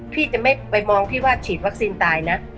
พี่จะไม่ไปมองพี่ว่าฉีดวัคซีนตายนะ